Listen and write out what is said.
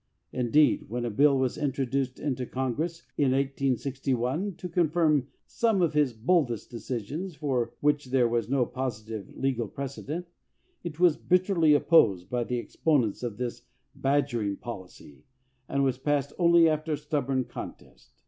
Indeed, when a bill was introduced into Congress, in 1861, to confirm some of his boldest decisions for which there was no positive legal precedent, it was bitterly opposed by the exponents of this badgering policy and was passed only after a stubborn con test.